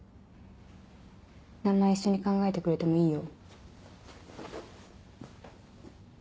名前一緒に考えてくれてもいいよ。